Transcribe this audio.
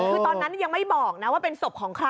คือตอนนั้นยังไม่บอกนะว่าเป็นศพของใคร